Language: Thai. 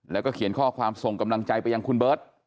แล้วก็เขียนข้อความส่งกำลังใจไปยังคุณเบิร์ต